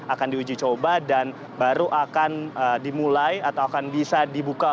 akan diuji coba dan baru akan dimulai atau akan bisa dibuka